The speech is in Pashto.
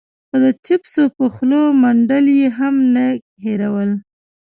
خو د چېپسو په خوله منډل يې هم نه هېرول.